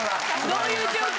・どういう状況？